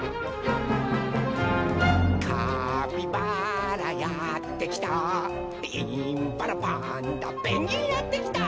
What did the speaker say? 「カピバラやってきたインパラパンダペンギンやってきた」